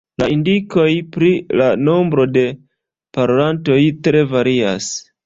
La indikoj pri la nombro de parolantoj tre varias.